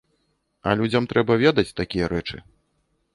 А людзям трэба ведаць такія рэчы.